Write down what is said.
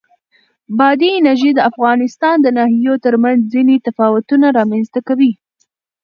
بادي انرژي د افغانستان د ناحیو ترمنځ ځینې تفاوتونه رامنځ ته کوي.